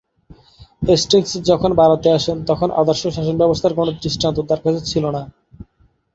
Hastings যখন ভারতে আসেন তখন আদর্শ শাসনব্যবস্থার কোনো দৃষ্টান্ত তাঁর কাছে ছিল না।